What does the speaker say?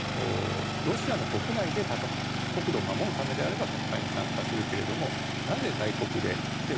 ロシアの国内で国土を守るためであれば戦いに参加するけどなぜ外国でと。